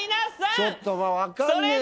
ちょっとわかんねぇな。